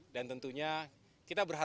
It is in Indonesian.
dan tentunya kita berhasil